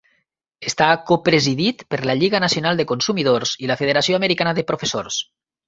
Està copresidit per la Lliga Nacional de Consumidors i la Federació Americana de Professors.